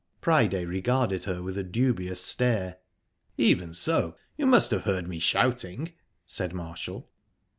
Priday regarded her with a dubious stare. "Even so, you must have heard me shouting," said Marshall.